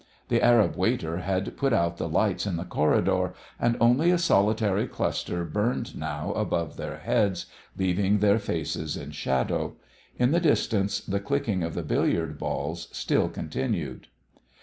The Arab waiter had put out the lights in the corridor, and only a solitary cluster burned now above their heads, leaving their faces in shadow. In the distance the clicking of the billiard balls still continued.